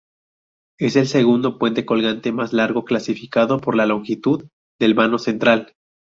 Es el segundo puente colgante más largo clasificado por la longitud del vano central.